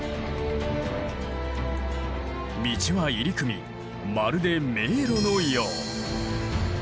道は入り組みまるで迷路のよう。